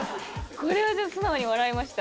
これはでも、素直に笑いました。